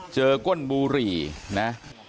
ก้นบุหรี่นะ